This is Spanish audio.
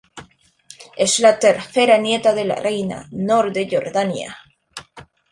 Es la tercera nieta de la reina Noor de Jordania.